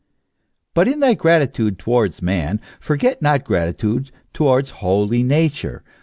But in thy gratitude towards man forget not gratitude towards holy Nature